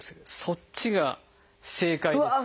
そっちが正解です。